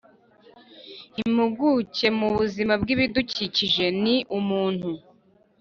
Impuguke mu buzima bw ibidukikije ni umuntu